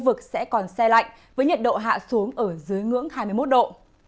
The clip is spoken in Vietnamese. vực sẽ còn xe lạnh với nhiệt độ hạ xuống ở dưới ngưỡng hai mươi một độ